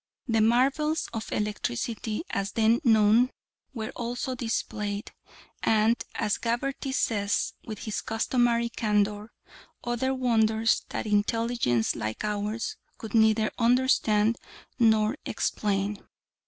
The marvels of electricity as then known were also displayed, and, as Gabarty says with his customary candour, "other wonders that intelligence like ours could neither understand nor explain."